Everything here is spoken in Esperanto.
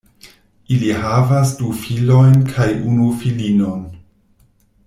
Ili havas du filojn kaj unu filinon.